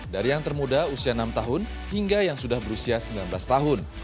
dari yang termuda usia enam tahun hingga yang sudah berusia sembilan belas tahun